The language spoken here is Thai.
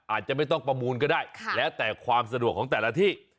อาจจะไม่ต้องประมูลก็ได้แล้วแต่ความสะดวกของแต่ละที่